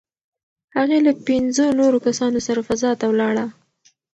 هغې له پنځو نورو کسانو سره فضا ته ولاړه.